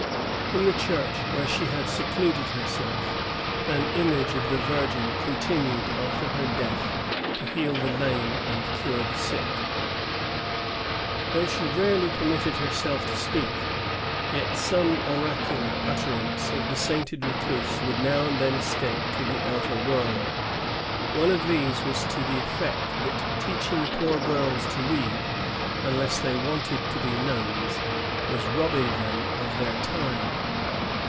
In the church where she had secluded herself, an image of the Virgin continued after her death to heal the lame and cure the sick.^ Though Jeanne rarely permitted herself to speak, yet some oracular utterance of the sainted recluse would now and then escape to the outer world. One of these was to the effect that teaching poor girls to read, unless they wanted to be nuns, was robbing them of their time.